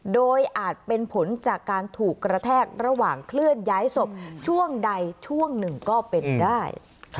โดยอาจเป็นผลจากการถูกกระแทกระหว่างเคลื่อนย้ายศพช่วงใดช่วงหนึ่งก็เป็นได้